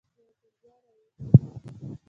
یو ځل بیا را ویښ شوم.